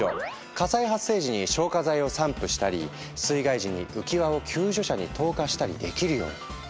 火災発生時に消火剤を散布したり水害時に浮き輪を救助者に投下したりできるように。